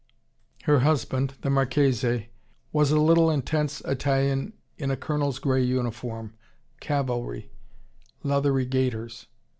Her husband, the Marchese, was a little intense Italian in a colonel's grey uniform, cavalry, leather gaiters.